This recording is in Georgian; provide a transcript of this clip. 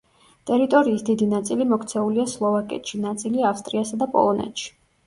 ტერიტორიის დიდი ნაწილი მოქცეულია სლოვაკეთში, ნაწილი ავსტრიასა და პოლონეთში.